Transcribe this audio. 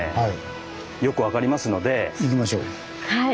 はい。